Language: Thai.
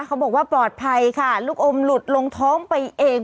เขาบอกว่าปลอดภัยค่ะลูกอมหลุดลงท้องไปเอง